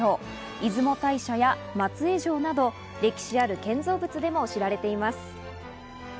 出雲大社や松江城など歴史ある建造物でも知られています。